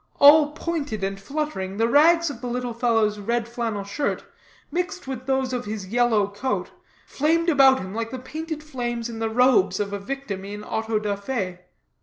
All pointed and fluttering, the rags of the little fellow's red flannel shirt, mixed with those of his yellow coat, flamed about him like the painted flames in the robes of a victim in auto da fe.